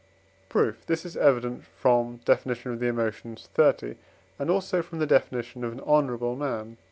Proof. This is evident from Def. of the Emotions, xxx., and also from the definition of an honourable man (IV.